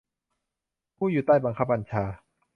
ผู้อยู่ใต้บังคับบัญชา